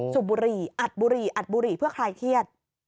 สูบบุหรี่อัดบุหรี่อัดบุหรี่เพื่อคลายเครียด